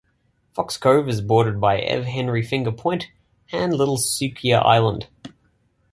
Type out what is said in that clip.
Fox Cove is bordered by Ev Henry Finger point and Little Sucia island.